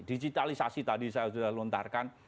digitalisasi tadi saya sudah lontarkan